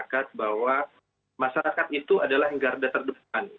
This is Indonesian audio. publik masyarakat bahwa masyarakat itu adalah yang garda terdepan